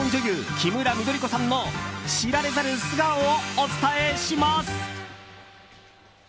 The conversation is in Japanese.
キムラ緑子さんの知られざる素顔をお伝えします！